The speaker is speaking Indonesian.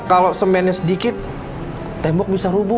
kalau semennya sedikit tembok bisa rubuh